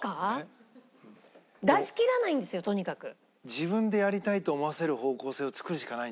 自分でやりたいと思わせる方向性を作るしかないんですよ。